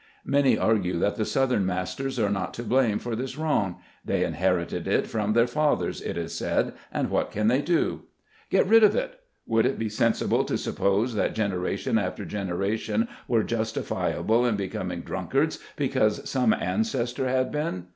Many argue that the southern masters are not to blame for this wrong ; they inherited it from their fathers, it is said, and what can they do ? Get rid of it ! Would it be sensible to suppose that generation after generation were justifiable in becoming drunk ards, because some ancestor had been